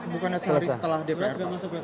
bukan hari setelah dpr